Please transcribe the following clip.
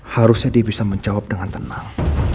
harusnya dia bisa menjawab dengan tenang